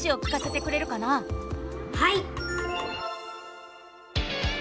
はい！